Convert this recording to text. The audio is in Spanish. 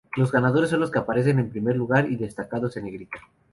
Los ganadores son los que aparecen en primer lugar y destacados en negrita.